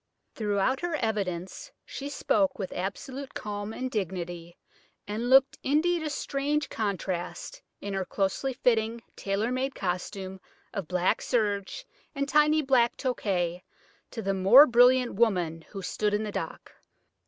Throughout her evidence she spoke with absolute calm and dignity, and looked indeed a strange contrast, in her closely fitting tailor made costume of black serge and tiny black toque, to the more brilliant woman who stood in the dock.